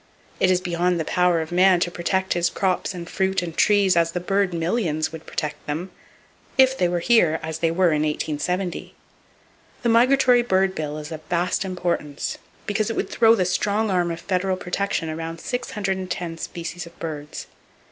It is beyond the power of man to protect his crops and fruit and trees as the bird millions would protect them—if they were here as they were in 1870. The migratory bird bill is of vast importance because it would throw the strong arm of federal protection around 610 species of birds.